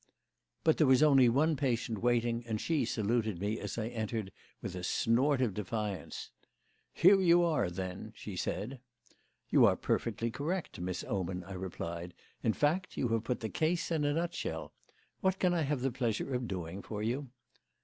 But there was only one patient waiting, and she saluted me as I entered with a snort of defiance. "Here you are, then?" said she. "You are perfectly correct, Miss Oman," I replied; "in fact, you have put the case in a nutshell. What can I have the pleasure of doing for you?"